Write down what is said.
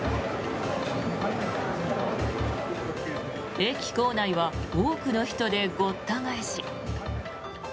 駅構内は多くの人でごった返し。